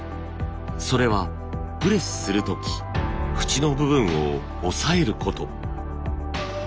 それはプレスする時フチの部分を押さえること。